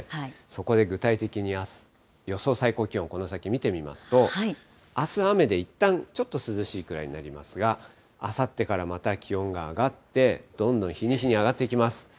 そこで具体的に予想最高気温、この先見てみますと、あす雨で、いったんちょっと涼しいくらいになりますが、あさってからまた気温が上がって、どんどん日に日に上がっていきます。